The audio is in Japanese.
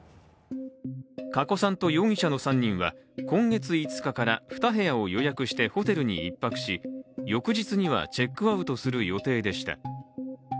加古さんと容疑者の３人は今月５日から、２部屋を予約してホテルに１泊し、翌日にはチェックアウトする予定でした。